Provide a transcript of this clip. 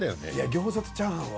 餃子とチャーハンは。